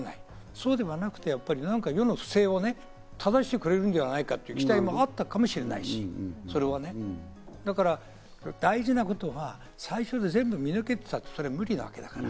そうではなくて、世の不正を正してくれるんじゃないかという期待もあったかもしれないし、それはね、大事なことは最初で全部見抜けって言ったって、それは無理だから。